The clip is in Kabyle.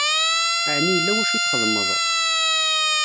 Ɛni yella wacu i txedmeḍ?